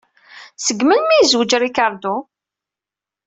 Seg melmi yezweǧ Ricardo?